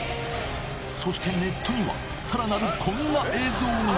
そしてネットにはさらなるこんな映像が！